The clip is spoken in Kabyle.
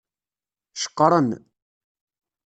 Ceqqren.